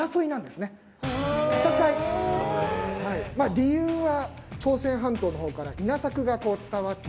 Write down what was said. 理由は朝鮮半島の方から稲作が伝わってきて。